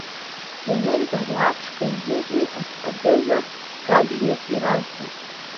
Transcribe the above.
Ианырба Ари Аԥшқа изы иҳәаз адырра жәабжьны ирарҳәеит.